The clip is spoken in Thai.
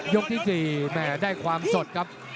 ยกที่๔ได้ความสดครับ